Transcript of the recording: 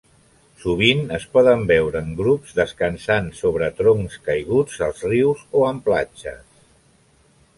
Sovint es poden veure en grups descansant sobre troncs caiguts als rius o en platges.